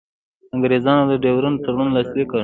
انګرېزانو د ډیورنډ تړون لاسلیک کړ.